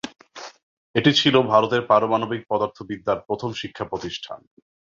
এটি ছিল ভারতের পারমাণবিক পদার্থবিদ্যার প্রথম শিক্ষাপ্রতিষ্ঠান।